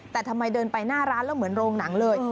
แต่ทำไมเดินไปหน้าร้านแล้วเหมือนโรงหนังเลย